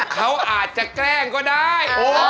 เขาอาจจะแกล้งก็ได้